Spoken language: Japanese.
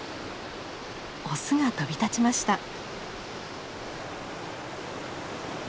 オスが飛び立ちました。